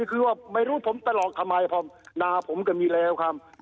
คือว่าไม่รู้ผมตะหรอกทำไมผมหนาผมก็มีแล้วครับ